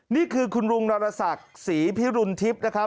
นี่คือคุณลุงรรษักษ์ศรีพิรุนทิพย์